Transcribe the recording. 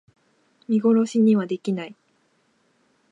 見殺しにはできない